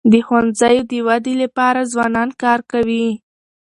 د ښوونځیو د ودی لپاره ځوانان کار کوي.